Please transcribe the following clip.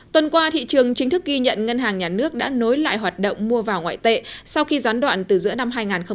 tuần qua thị trường chính thức ghi nhận ngân hàng nhà nước đã nối lại hoạt động mua vào ngoại tệ sau khi gián đoạn từ giữa năm hai nghìn một mươi tám